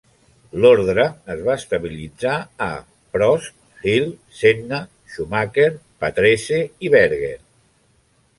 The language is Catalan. L'ordre es va estabilitzar a: Prost, Hill, Senna, Schumacher, Patrese i Berger.